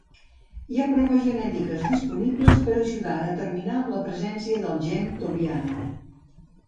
Hi ha proves genètiques disponibles per ajudar a determinar la presència del gen Tobiano.